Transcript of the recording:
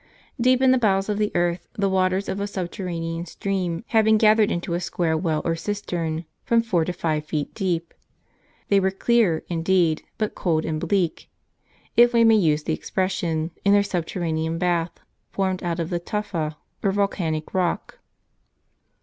Deep in the bowels of the earth the waters of a subterranean stream had been gathered into a square well or cistern, from four to five feet deep. They were clear, indeed, but cold and bleak, if we may use the expression, in their subterranean bath, formed out of the tufa, or volcanic rock.